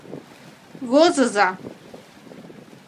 — Возыза!